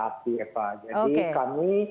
aktif eva jadi kami